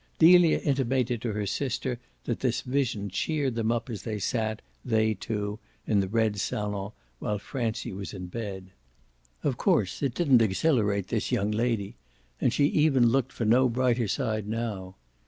Delia intimated to her sister that this vision cheered them up as they sat, they two, in the red salon while Francie was in bed. Of course it didn't exhilarate this young lady, and she even looked for no brighter side now.